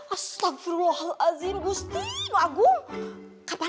astagfirullahaladzim gusti maagung kapan